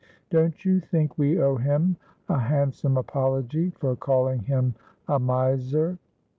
"Don't you think we owe him a handsome apology for calling him a miser?